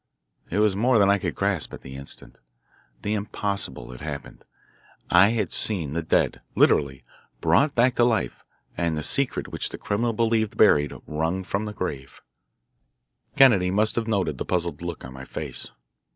It was more than I could grasp at the instant. The impossible had happened. I had seen the dead literally brought back to life and the secret which the criminal believed buried wrung from the grave. Kennedy must have noted the puzzled look on my face.